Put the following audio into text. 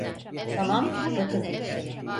Tamam, bakın.